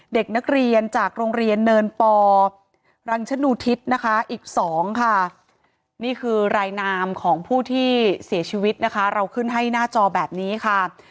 เด็กนักเรียนจากโรงเรียนเนินปอรังชนูทิศนะคะอีกสองค่ะนี่คือรายนามของผู้ที่เสียชีวิตนะคะเราขึ้นให้หน้าจอแบบนี้ค่ะ